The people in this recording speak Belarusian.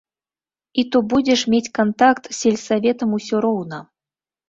І то будзеш мець кантакт з сельсаветам усё роўна!